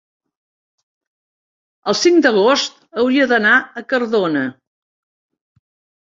el cinc d'agost hauria d'anar a Cardona.